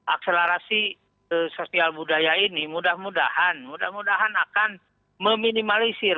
akselerasi sosial budaya ini mudah mudahan akan meminimalisir